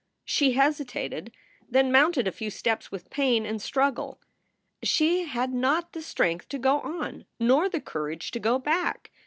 She hesitated, then mounted a few steps with pain and struggle. She had not the strength to go on, nor the courage to go back.